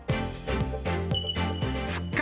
復活！